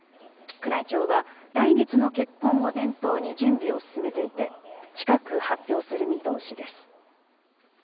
宮内庁は、来月の結婚を念頭に準備を進めていて、近く発表する見通しです。